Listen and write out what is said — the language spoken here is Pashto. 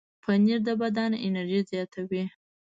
پنېر د بدن انرژي زیاتوي.